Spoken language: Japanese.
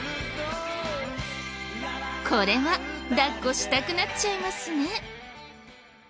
これは抱っこしたくなっちゃいますね。